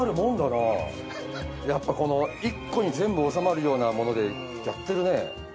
やっぱこの１個に全部収まるようなものでやってるね。